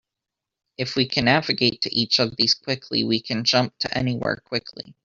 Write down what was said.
If we can navigate to each of these quickly, we can jump to anywhere quickly.